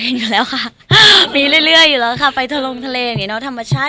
อยู่แล้วค่ะมีเรื่อยอยู่แล้วค่ะไปทะลงทะเลอย่างเงี้เนอะธรรมชาติ